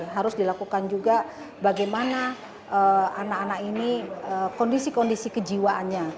harus dilakukan juga bagaimana anak anak ini kondisi kondisi kejiwaannya